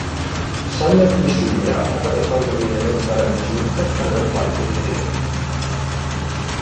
Summer qui si ubriaca e quando viene eletta reginetta cade dal palco e sviene.